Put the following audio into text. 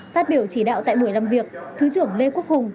phát biểu chỉ đạo tại một mươi năm việc thứ trưởng lê quốc hùng